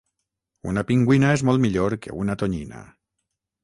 Una pingüina és molt millor que una tonyina